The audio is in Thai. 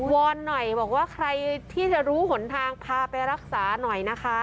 อนหน่อยบอกว่าใครที่จะรู้หนทางพาไปรักษาหน่อยนะคะ